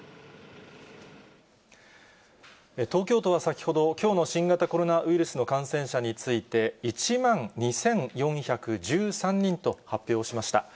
東京都は先ほど、きょうの新型コロナウイルスの感染者について、１万２４１３人と発表しました。